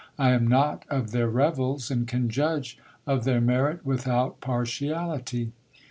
I am not of their revels, and can judge of their merit without partiality.